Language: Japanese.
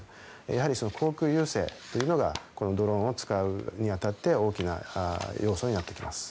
やはり航空優勢というのがこのドローンを使うに当たって大きな要素になってきます。